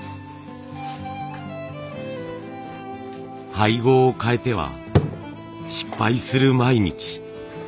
配合を変えては失敗する毎日。